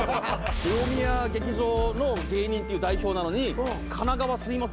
大宮劇場の芸人っていう代表なのに神奈川住みます